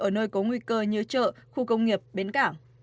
ở nơi có nguy cơ như chợ khu công nghiệp bến cảng